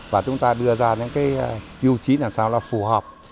và chúng ta đưa ra những cái tiêu chí làm sao là phù hợp